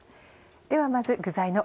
ではまず具材の。